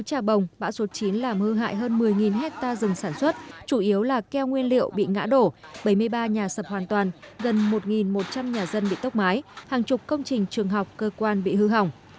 trà bồng bão số chín làm hư hại hơn một mươi hectare rừng sản xuất chủ yếu là keo nguyên liệu bị ngã đổ bảy mươi ba nhà sập hoàn toàn gần một một trăm linh nhà dân bị tốc mái hàng chục công trình trường học cơ quan bị hư hỏng